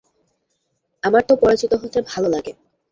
আমার তো পরাজিত হতে ভাললাগে।